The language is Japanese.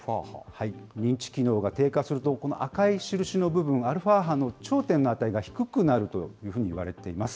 認知機能が低下すると、この赤い印の部分、アルファ波の頂点の値が低くなるというふうにいわれています。